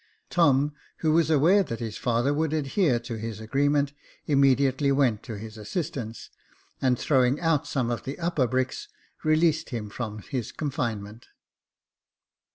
Tom, who was aware that his father would adhere to his agreement, immediately went to his assistance, and throwing out some of the upper bricks, released him from his confinement.